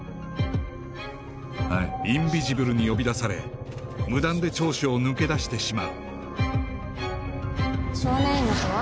インビジブルに呼び出され無断で聴取を抜け出してしまう少年院の子は？